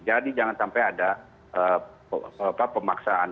jadi jangan sampai ada pemaksaan